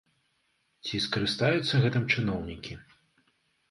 Ці скарыстаюцца гэтым чыноўнікі?